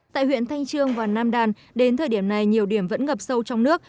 tại huyện thanh trương và nam đàn đến thời điểm này nhiều điểm vẫn ngập sâu trong nước